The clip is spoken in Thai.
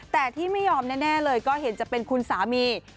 แต่ที่ไม่ยอมแน่เลยก็เห็นจะเป็นคุณสามี